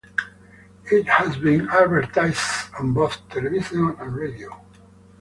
It has been advertised on both television and radio.